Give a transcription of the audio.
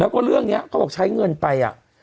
แล้วก็เรื่องนี้เขาบอกใช้เงินไป